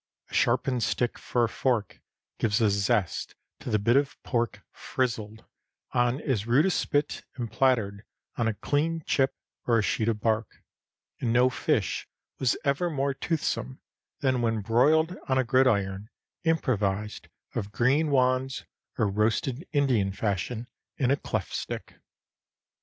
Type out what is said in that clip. A sharpened stick for a fork gives a zest to the bit of pork "frizzled" on as rude a spit and plattered on a clean chip or a sheet of bark, and no fish was ever more toothsome than when broiled on a gridiron improvised of green wands or roasted Indian fashion in a cleft stick.